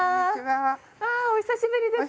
あお久しぶりです。